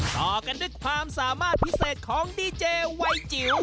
ต่อกันดึกภาพสามารถพิเศษของดีเจอร์วัยจิ๋ว